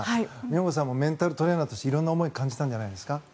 京さんもメンタルトレーナーとして色んな思いを感じたんじゃないですか？